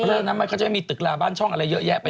เรื่องนั้นมันก็จะมีตึกลาบ้านช่องอะไรเยอะแยะไป